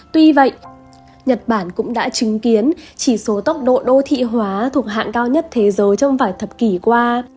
tuy vậy nhật bản cũng đã chứng kiến chỉ số tốc độ đô thị hóa thuộc hạng cao nhất thế giới trong vài thập kỷ qua